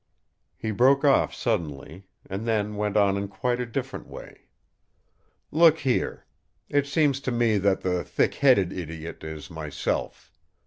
He broke off suddenly; and then went on in quite a different way: "Look here! it seems to me that the thick headed idiot is myself!